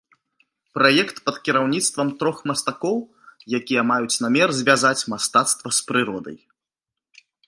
Праект пад кіраўніцтвам трох мастакоў, якія маюць намер звязаць мастацтва з прыродай.